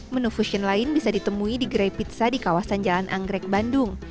menu fusion lain bisa ditemui di gerai pizza di kawasan jalan anggrek bandung